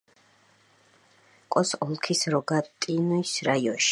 მდებარეობს ივანო-ფრანკოვსკის ოლქის როგატინის რაიონში.